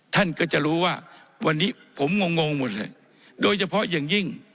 ท่านก็จะรู้ว่าวันนี้ผมงงงหมดเลยโดยเฉพาะอย่างยิ่ง